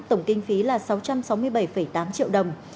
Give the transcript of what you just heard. tổng kinh phí là sáu trăm sáu mươi bảy tám triệu đồng